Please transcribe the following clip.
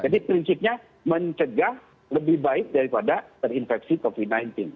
jadi prinsipnya mencegah lebih baik daripada terinfeksi covid sembilan belas